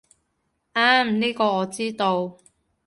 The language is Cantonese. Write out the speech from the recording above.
啱，呢個我知道